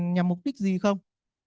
nhằm mục đích gì không